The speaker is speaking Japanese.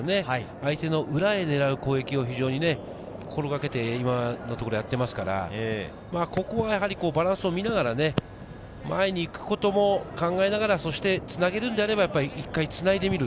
相手の裏へ狙う攻撃を非常に心がけて今のところやっていますから、ここがバランスを見ながら、前に行くことも考えながらつなげるんであれば一回つないでみる。